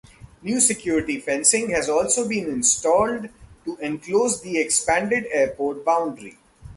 New security fencing has also been installed to enclose the expanded airport boundary.